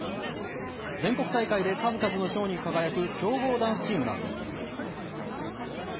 全国大会で数々の賞に輝く強豪ダンスチームなんです。